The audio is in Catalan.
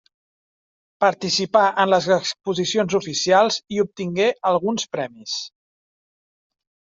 Participà en les exposicions oficials i obtingué alguns premis.